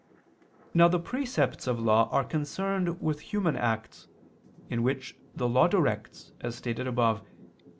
Now the precepts of law are concerned with human acts, in which the law directs, as stated above (Q.